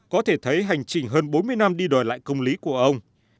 có thể thấy hành trình hơn bốn mươi năm đi đổi lại công lý của ông